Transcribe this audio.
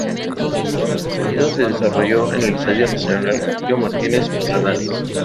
El partido se desarrolló en el Estadio Nacional Julio Martínez Prádanos.